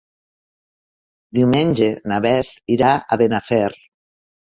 Diumenge na Beth irà a Benafer.